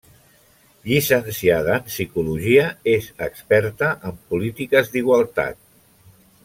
Llicenciada en psicologia, és experta en polítiques d'igualtat.